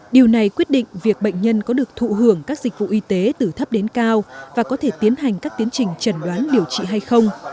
điều này quyết định việc bệnh nhân có được thụ hưởng các dịch vụ y tế từ thấp đến cao và có thể tiến hành các tiến trình trần đoán điều trị hay không